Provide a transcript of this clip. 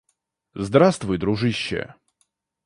Здравствуй, дружище.